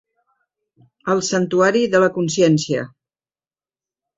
El santuari de la consciència.